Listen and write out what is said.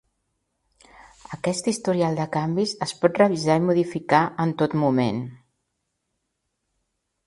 Aquest historial de canvis es pot revisar i modificar en tot moment.